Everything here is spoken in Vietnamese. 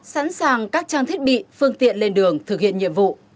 sẵn sàng các trang thiết bị phương tiện lên đường thực hiện nhiệm vụ